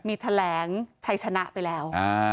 มีแถลงชัยชนะไปแล้ว